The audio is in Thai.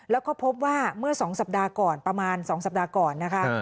แล้วก็พบว่าเมื่อ๒สัปดาห์ก่อนประมาณ๒สัปดาห์ก่อนนะคะ